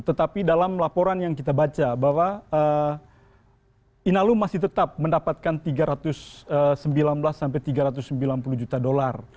tetapi dalam laporan yang kita baca bahwa inalum masih tetap mendapatkan tiga ratus sembilan belas sampai tiga ratus sembilan puluh juta dolar